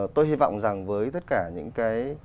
tôi hy vọng rằng với tất cả những cái